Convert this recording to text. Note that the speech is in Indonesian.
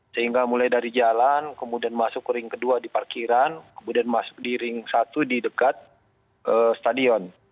sehingga mulai dari jalan kemudian masuk ke ring kedua di parkiran kemudian masuk di ring satu di dekat stadion